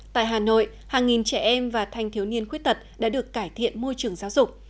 tại hà nội hàng nghìn trẻ em và thanh thiếu niên khuyết tật đã được cải thiện môi trường giáo dục